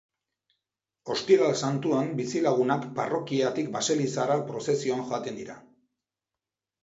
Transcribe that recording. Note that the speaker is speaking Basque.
Ostiral Santuan bizilagunak parrokiatik baselizara prozesioan joaten dira.